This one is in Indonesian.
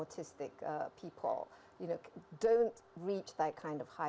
untuk mendengar lebih banyak lagi